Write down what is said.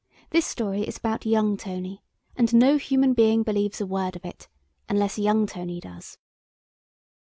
This story is about young Tony, and no human being believes a word of it, unless young Tony does.